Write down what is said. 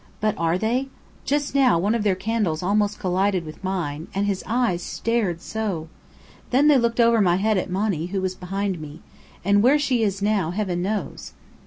But are they? Just now one of their candles almost collided with mine, and his eyes stared so! Then they looked over my head at Monny, who was behind me. And where she is now, heaven knows!"